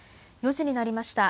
４時になりました。